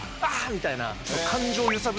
みたいな。